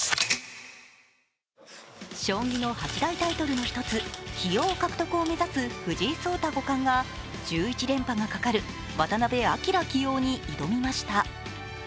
将棋の８大タイトルの１つ、棋王獲得を目指す藤井聡太五冠が１１連覇がかかる渡辺明棋王に挑みました。